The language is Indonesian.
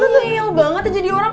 real banget ya jadi orang